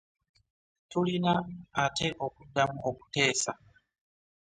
Tulina ate okuddamu kuteesa.